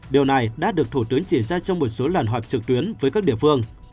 điều này đã được thủ tướng chỉ ra trong một số lần họp trực tuyến với các địa phương